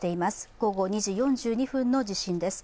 午後２時４２分の地震です